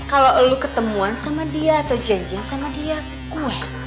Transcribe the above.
kalo lo ketemuan sama dia atau janjian sama dia gue